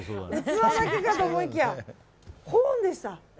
器だけかと思いきやコーンでした。